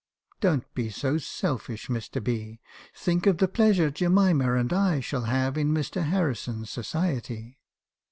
" 'Don't be so selfish, Mr. B. Think of the pleasure Jemima *and I shall have in Mr. Harrison's society.'